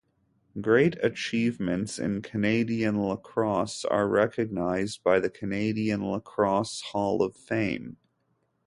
Great achievements in Canadian Lacrosse are recognized by the Canadian Lacrosse Hall of Fame.